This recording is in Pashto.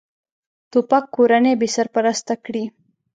توپک کورنۍ بېسرپرسته کړي.